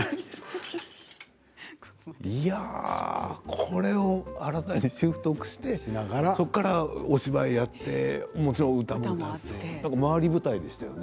これを新たに習得してそこからお芝居やってもちろん歌もダンスも回る舞台ですよね。